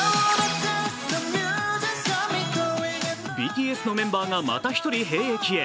ＢＴＳのメンバーがまた１人兵役へ。